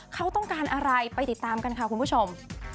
เขาต้องการอะไรไปติดตามกันค่ะคุณผู้ชม